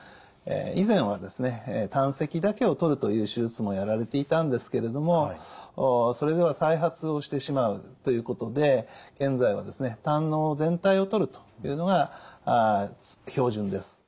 以前は胆石だけを取るという手術もやられていたんですけれどもそれでは再発をしてしまうということで現在は胆のう全体を取るというのが標準です。